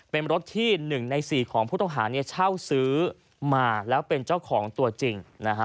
เป็นรถที่๑ใน๔ของผู้ต้องหาเช่าซื้อมาแล้วเป็นเจ้าของตัวจริงนะฮะ